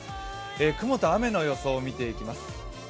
雲と雨の予想を見ていきます。